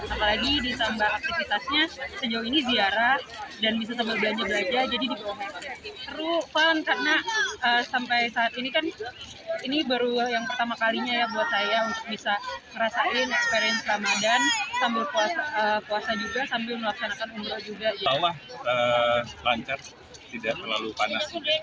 apalagi ditambah aktivitasnya sejauh ini ziarah dan bisa sambil belajar belajar jadi diperlukan